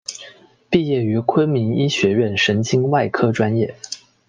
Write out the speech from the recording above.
毕业于昆明医学院神经外科专业。